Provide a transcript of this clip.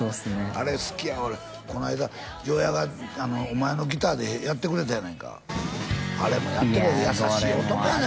あれ好きやわ俺この間丈弥がお前のギターでやってくれたやないかあれもやってくれて優しい男やね